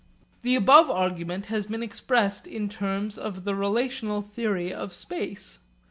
The above argument has been expressed in terms of the relational theory of space.